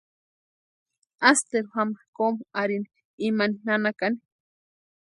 Asteru jáma kómu arhini imani nanakani.